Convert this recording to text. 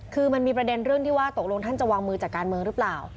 คือมันมีประเด็นเรื่องที่ว่าตกลงท่านจะวางมือจากการเมืองหรือเปล่า